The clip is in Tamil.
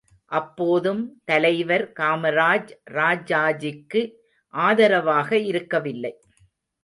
அப்போதும் தலைவர் காமராஜ் ராஜாஜிக்கு ஆதரவாக இருக்கவில்லை.